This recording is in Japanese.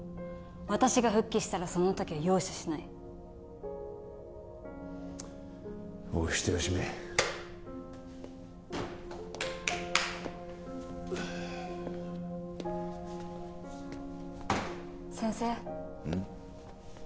私が復帰したらその時は容赦しないお人よしめ先生うん？